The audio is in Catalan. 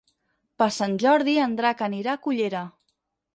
Per Sant Jordi en Drac anirà a Cullera.